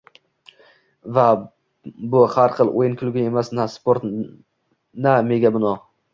Va bu har xil o'yin-kulgi emas, na sport, na mega-bino